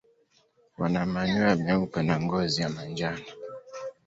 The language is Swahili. Wana manyoya meupe na ngozi ya manjano.